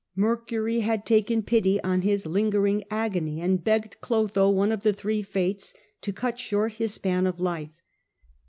Mercury had taken pity on his lingering agony, and begged Clotho, one of the three Fates, to cut short his span of life.